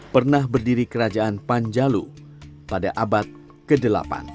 pernah berdiri kerajaan panjalu pada abad ke delapan